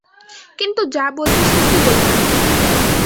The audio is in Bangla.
কিন্তু যা বলবে সত্যি বলবে।